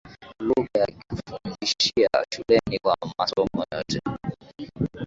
lugha ya kufundishia shuleni kwa masomo yote